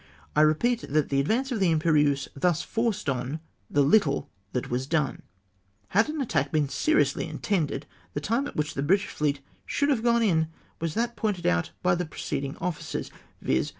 I repeat, that the advance of the Imperieuse thus forced on the httle that was done. Had an at tack been seriously intended, the time at which the British fleet should have gone in was that pointed out by the preceding officers, viz.